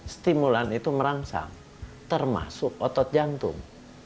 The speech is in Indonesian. stimulan itu merangsang termasuk otot jantung